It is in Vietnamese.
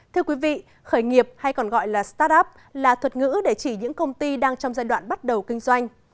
thưa quý vị khởi nghiệp hay còn gọi là start up là thuật ngữ để chỉ những công ty đang trong giai đoạn bắt đầu kinh doanh